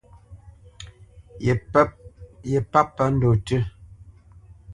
Ye páp pə́ ndɔ̂ tʉ́.